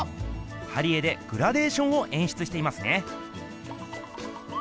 貼り絵でグラデーションをえんしゅつしていますね。